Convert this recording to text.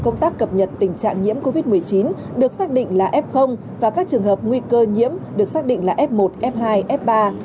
công tác cập nhật tình trạng nhiễm covid một mươi chín được xác định là f và các trường hợp nguy cơ nhiễm được xác định là f một f hai f ba